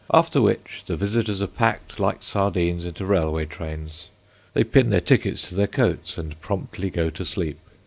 After which the visitors are packed like sardines into railway trains. They pin their tickets to their coats and promptly go to sleep.